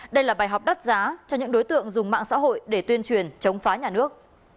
đây là bài học đắt giá cho những đối tượng dùng mạng xã hội để tuyên truyền chống phá nhà nước